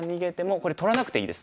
これ取らなくていいです。